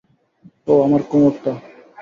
ওহ, আমার কোমরটা।